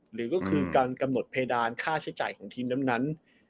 หรือก็คือการกำหนดเพดานค่าใช้จ่ายของทีมนั้น